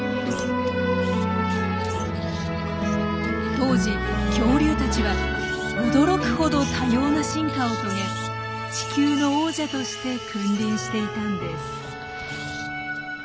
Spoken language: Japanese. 当時恐竜たちは驚くほど多様な進化を遂げ地球の王者として君臨していたんです。